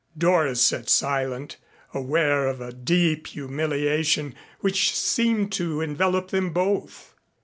Doris sat silent, aware of a deep humiliation which seemed to envelop them both.